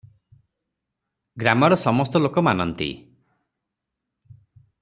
ଗ୍ରାମର ସମସ୍ତ ଲୋକ ମାନନ୍ତି ।